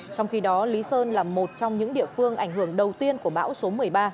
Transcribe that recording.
trong khi đó lý sơn là một trong những địa phương ảnh hưởng đầu tiên của bão số một mươi ba